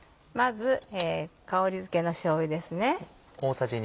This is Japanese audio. まず香りづけのしょうゆですね。